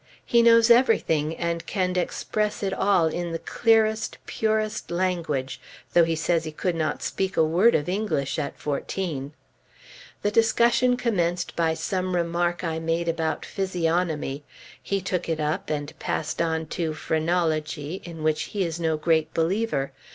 He knows everything, and can express it all in the clearest, purest language, though he says he could not speak a word of English at fourteen! The discussion commenced by some remark I made about physiognomy; he took it up, and passed on to phrenology in which he is no great believer.